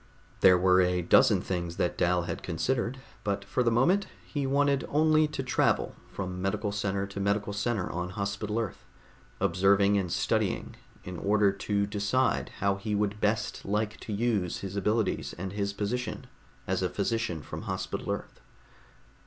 There were a dozen things that Dal had considered, but for the moment he wanted only to travel from medical center to medical center on Hospital Earth, observing and studying in order to decide how he would best like to use his abilities and his position as a Physician from Hospital Earth.